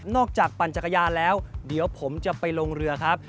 จากปั่นจักรยานแล้วเดี๋ยวผมจะไปลงเรือครับ